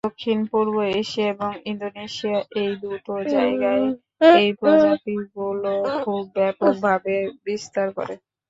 দক্ষিণপূর্ব এশিয়া এবং ইন্দোনেশিয়া এই দুটো জায়গায় এই প্রজাতিগুলো খুব ব্যাপক ভাবে বিস্তার করে।